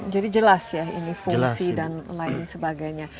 jadi jelas ya ini fungsi dan lain sebagainya